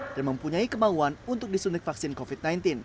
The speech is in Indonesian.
dan mempunyai kemauan untuk disuntik vaksin covid sembilan belas